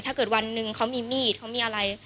ถ้าเกิดวันหนึ่งเขามีมีดเขามีอะไร